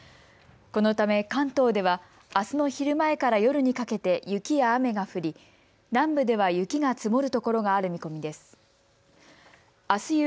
このため関東では、あすの昼前から夜にかけて雪や雨が降り、南部では雪が積もるところがある見込みです。